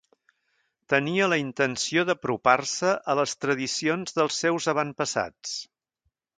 Tenia la intenció d'apropar-se a les tradicions dels seus avantpassats.